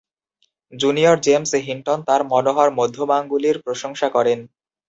Junior James Hinton তার "মনোহর মধ্যমাঙ্গুলি"র প্রশংসা করেন।